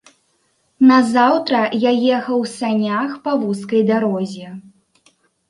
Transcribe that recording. Назаўтра я ехаў у санях па вузкай дарозе.